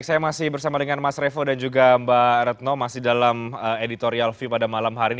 saya masih bersama dengan mas revo dan juga mbak retno masih dalam editorial view pada malam hari ini